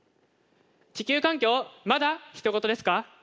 地球環境まだひと事ですか？